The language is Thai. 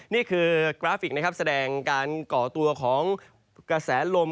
นี่คือกราฟิกแสดงการเกาะตัวของกระแสลม